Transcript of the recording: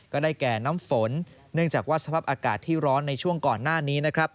ก็ได้แก่น้ำฝนเนื่องจากว่าสภาพอากาศที่ร้อนในช่วงก่อนหน้านี้นะครับ